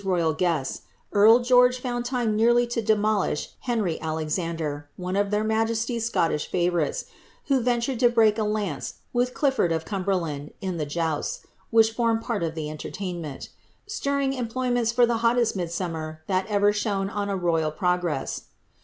royal guests, earl Geoige found lime nearly to demolish Henry .Aleian der, one of their majesties' Scottish favourites, who ventured to break ^ lance wiih "Clifford of Cumberland," in thejousis, which formed ]<i! of the eiLierlainmenl — stirring employments for ihc holiest niidsiImn/T thai ever slione on a royal progress.